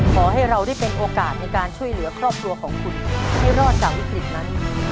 ขอให้เราได้เป็นโอกาสในการช่วยเหลือครอบครัวของคุณให้รอดจากวิกฤตนั้น